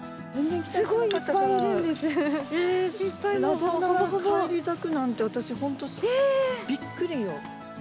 ラッデアナが返り咲くなんて私本当びっくりよ。